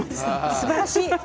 すばらしい。